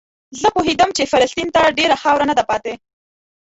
زه پوهېدم چې فلسطین ته ډېره خاوره نه ده پاتې.